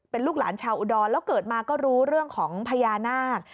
เป็นลูกหลานชาวอุดรแล้วเกิดมาก็รู้เรื่องของพญานาค